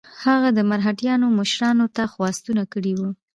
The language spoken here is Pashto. هغه د مرهټیانو مشرانو ته خواستونه کړي وه.